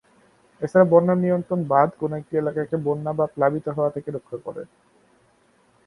এছাড়া বন্যা নিয়ন্ত্রক বাঁধ কোন একটি এলাকাকে বন্যা বা প্লাবিত হওয়া থেকে রক্ষা করে।